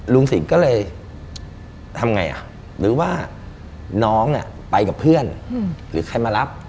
สิงห์ก็เลยทำไงหรือว่าน้องไปกับเพื่อนหรือใครมารับ